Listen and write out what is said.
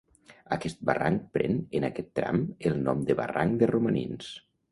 Aquest barranc pren, en aquest tram, el nom de barranc de Romanins.